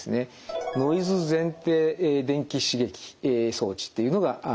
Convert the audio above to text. ノイズ前庭電気刺激装置というのがあります。